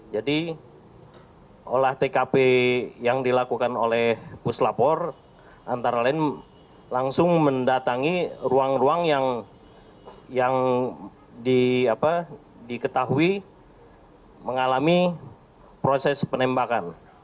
jadi olah tkp yang dilakukan oleh puslapor antara lain langsung mendatangi ruang ruang yang diketahui mengalami proses penembakan